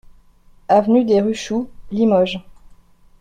Avenue des Ruchoux, Limoges